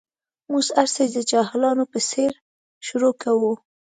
موږ هر څه د جاهلانو په څېر شروع کوو.